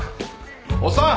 おっさん！